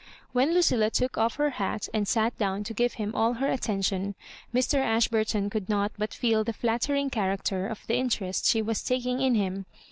When Lucilla took ojf her hat and sat down to give him all her attention, Mr. Ash burton could not but feel the flattering character of the interest i^e was taking in him.